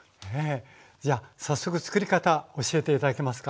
じゃあ早速つくり方教えて頂けますか。